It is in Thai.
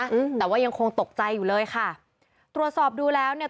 อืมแต่ว่ายังคงตกใจอยู่เลยค่ะตรวจสอบดูแล้วเนี่ย